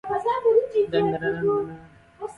برایەکی بە ناوی نەدیم ساڵح سەعدی لە مەبانی عام بوو